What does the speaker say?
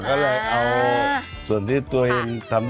ก็เลยเอาส่วนที่ตัวเองทำ